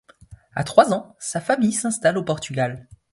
À trois ans sa famille s'installe au Portugal.